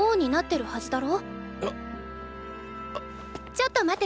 ちょっと待ってて。